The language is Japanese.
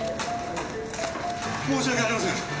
申し訳ありません。